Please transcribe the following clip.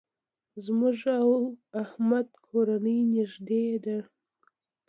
زموږ او احمد کورنۍ نېږدې ده.